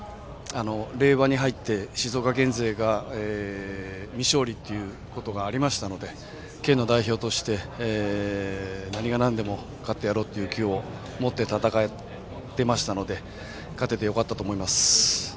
令和に入って静岡県勢が未勝利ということがありましたので県の代表として、何がなんでも勝ってやろうという気を戦っていましたので勝ててよかったと思います。